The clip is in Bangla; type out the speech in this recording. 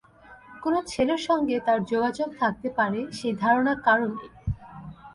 কোনো ছেলের সঙ্গে তার যোগাযোগ থাকতে পারে, সেই ধারণা কারও নেই।